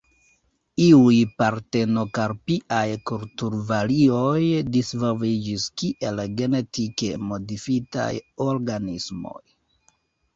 Iuj partenokarpiaj kulturvarioj disvolviĝis kiel genetike modifitaj organismoj.